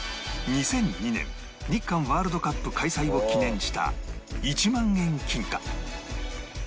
２００２年日韓ワールドカップ開催を記念した１万円金貨